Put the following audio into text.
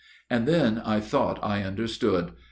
And then I thought I understood.